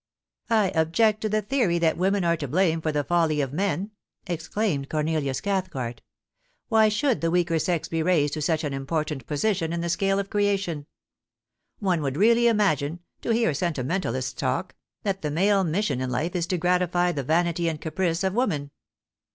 * I object to the theory that women are to blame for the folly of men !' exclaimed Cornelius Cathcart * Why should the weaker sex be raised to such an important position in the scale of creation ? One would really imagine, to hear sentimentalists talk, that the male mission in life is to gratify the vanity and caprice of women.